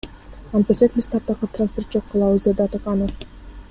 Антпесек биз таптакыр транспорт жок калабыз, — деди Атыканов.